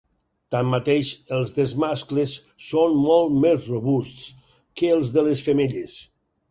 Tanmateix, els dels mascles són molt més robusts que els de les femelles.